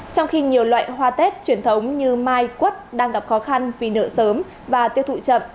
trong khi nhiều loại hoa tết truyền thống như mai quất đang gặp khó khăn vì nợ sớm và tiêu thụ chậm